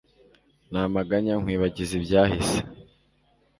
namaganya nkwibagize ibyahise